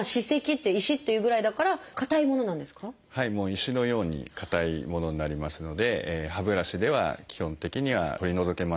石のように硬いものになりますので歯ブラシでは基本的には取り除けません。